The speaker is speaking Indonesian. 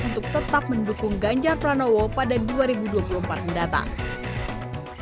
untuk tetap mendukung ganjar pranowo pada dua ribu dua puluh empat mendatang